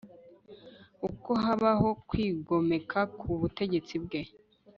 uko habaho kwigomeka ku butegetsi bwe